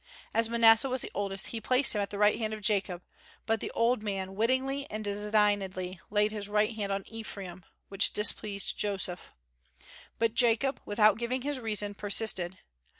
As Manasseh was the oldest, he placed him at the right hand of Jacob, but the old man wittingly and designedly laid his right hand on Ephraim, which displeased Joseph. But Jacob, without giving his reason, persisted.